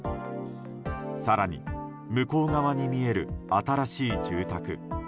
更に、向こう側に見える新しい住宅。